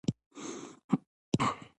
زموږ ټولنیزه او کورنۍ روزنه داسې شوي